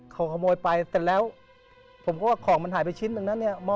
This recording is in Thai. เขาขโมยไปเสร็จแล้วผมก็ว่าของมันหายไปชิ้นหนึ่งนะเนี่ย